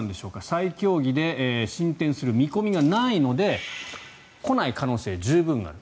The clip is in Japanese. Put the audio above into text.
再協議で進展する見込みがないので来ない可能性、十分ある。